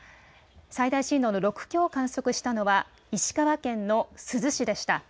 最大震度の６強を観測したのは石川県の珠洲市でした。